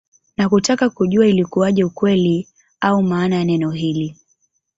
Na kutaka kujua ilikuaje ukweli au maana ya neno hili